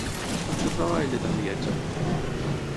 Com es troba ell de tant viatjar?